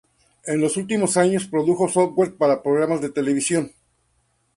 En los últimos años, produjo software para programas de televisión.